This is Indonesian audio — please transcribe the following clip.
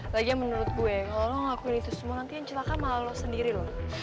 lagian menurut gue kalau lo ngelakuin itu semua nanti yang celaka malu sendiri loh